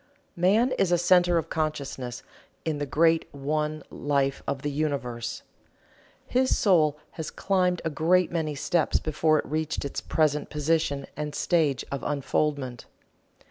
Man is a Centre of Consciousness in the great One Life of the Universe. His soul has climbed a great many steps before it reached its present position and stage of unfoldment.